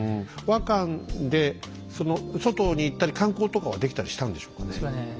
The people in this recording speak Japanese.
倭館でその外に行ったり観光とかはできたりしたんでしょうかね？